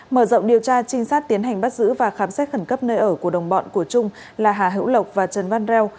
mở rộng điều tra trinh sát tiến hành bắt giữ và khám xét khẩn cấp nơi ở của đồng bọn của trung là hà hữu lộc và trần văn reo